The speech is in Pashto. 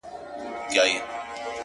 • پاچهي وه د وطن د دنیادارو ,